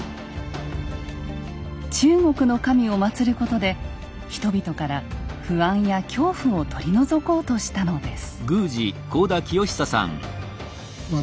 中国の神を祭ることで人々から不安や恐怖を取り除こうしたのです。